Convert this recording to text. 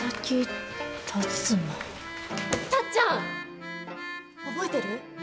タッちゃん！覚えてる？